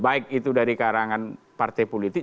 baik itu dari karangan partai politik